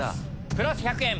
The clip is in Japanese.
プラス１００円。